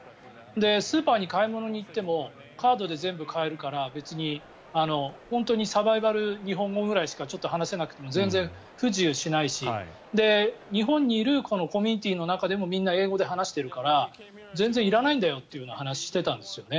スーパーに買い物に行ってもカードで全部買えるから別に本当にサバイバル日本語ぐらいしか話せなくても全然不自由しないし日本にいるコミュニティーの中でもみんな英語で話しているから全然いらないんだよという話をしてたんですよね。